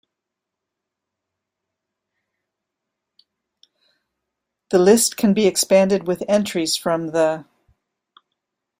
"This list can be expanded with entries from the "